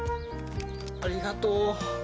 ありがとう！